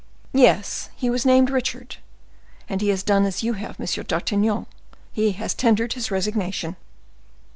"Yes; he was named Richard, and he as done as you have, M. d'Artagnan—he has tendered his resignation."